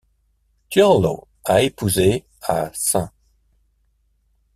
Thurlow a épousé à St.